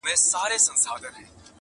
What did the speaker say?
ابۍ اور نه لري تبۍ نه لري -